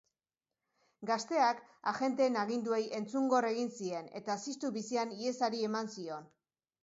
Gazteak agenteen aginduei entzungor egin zien eta ziztu bizian ihesari ematen zion.